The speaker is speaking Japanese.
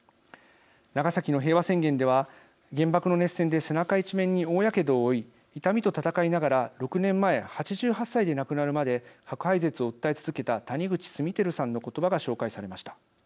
長崎の平和宣言では原爆の熱線で背中一面に大やけどを負い痛みと闘いながら６年前、８８歳で亡くなるまで核廃絶を訴え続けた谷口稜曄さんの言葉が紹介されました。